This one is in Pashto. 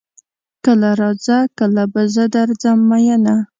کله راځه کله به زه درځم ميينه